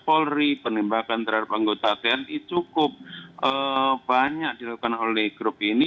polri penembakan terhadap anggota tni cukup banyak dilakukan oleh grup ini